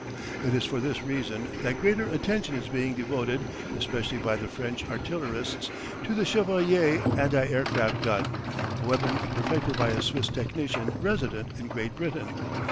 It is for this reason that greater attention is being devoted, especially by the French artillerists, to the Chevalier anti aircraft gun, a weapon perfected by a Swiss technician resident in Great Britain.